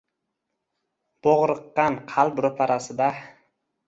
Bo’g’riqqan qalb ro’parasida.